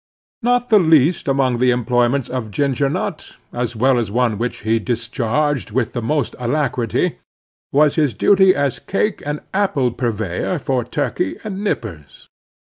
Not the least among the employments of Ginger Nut, as well as one which he discharged with the most alacrity, was his duty as cake and apple purveyor for Turkey and Nippers.